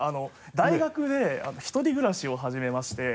大学で１人暮らしを始めまして。